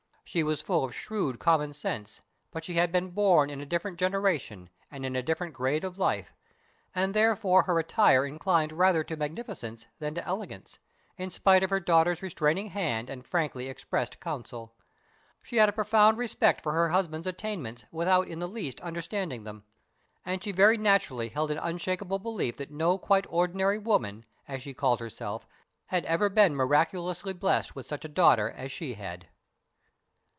She was full of shrewd common sense, but she had been born in a different generation and in a different grade of life, and therefore her attire inclined rather to magnificence than to elegance, in spite of her daughter's restraining hand and frankly expressed counsel. She had a profound respect for her husband's attainments without in the least understanding them, and she very naturally held an unshakable belief that no quite ordinary woman, as she called herself, had ever been miraculously blessed with such a daughter as she had.